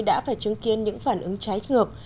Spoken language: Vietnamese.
đã phải chứng kiến những phản ứng trái ngược